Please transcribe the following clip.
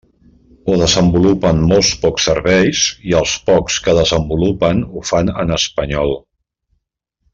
O desenvolupen molt pocs serveis i els pocs que desenvolupen ho fan en espanyol.